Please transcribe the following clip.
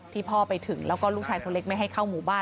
พ่อไปถึงแล้วก็ลูกชายคนเล็กไม่ให้เข้าหมู่บ้าน